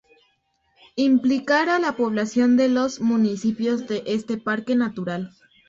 implicar a la población de los municipios de este parque natural